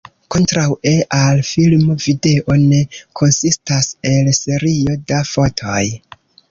Kontraŭe al filmo video ne konsistas el serio da fotoj.